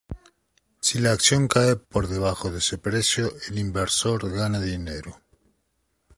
Si la acción cae por debajo de ese precio, el inversor gana dinero.